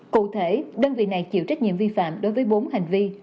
cụ thể đơn vị này chịu trách nhiệm vi phạm đối với bốn hành vi